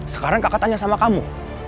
sekarang kakak tanya sama kamu